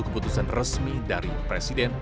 keputusan resmi dari presiden